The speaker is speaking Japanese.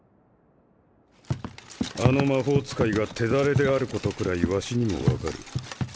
あの魔法使いが手だれであることくらい儂にも分かる。